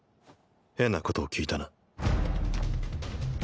変なことを聞いたな。